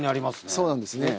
そうなんです。